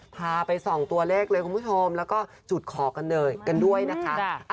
พาไป๒ตัวเลขเลยคุณผู้ชมแล้วก็จุดขอกันด้วยนะคะ